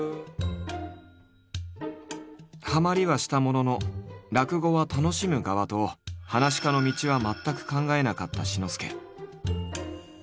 ハマりはしたものの「落語は楽しむ側」と噺家の道は全く考えなかった志の輔。